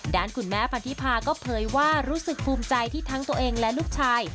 ด้านคุณแม่พันธิพาก็เผยว่ารู้สึกภูมิใจที่ทั้งตัวเองและลูกชาย